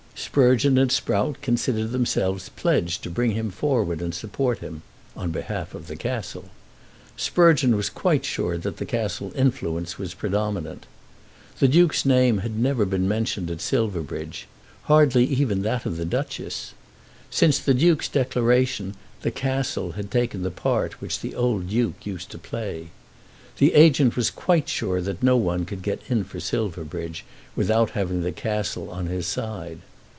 Sprugeon and Sprout considered themselves pledged to bring him forward and support him, on behalf of the Castle. Sprugeon was quite sure that the Castle influence was predominant. The Duke's name had never been mentioned at Silverbridge, hardly even that of the Duchess. Since the Duke's declaration "The Castle" had taken the part which the old Duke used to play. The agent was quite sure that no one could get in for Silverbridge without having the Castle on his side.